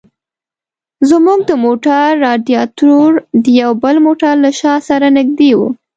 زموږ د موټر رادیاټور د یو بل موټر له شا سره نږدې و.